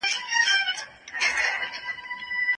په دې وخت کي خلګ په ارباب باور لري.